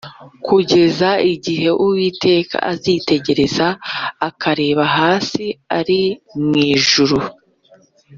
Kugeza igihe Uwiteka azitegereza, Akareba hasi ari mu ijuru.